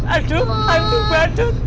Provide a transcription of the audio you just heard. aduh hantu badut